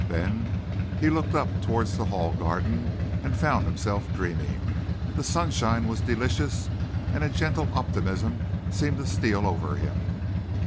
Then he looked up towards the Hall garden and found himself dreaming. The sunshine was delicious, and a gentle optimism seemed to steal over him.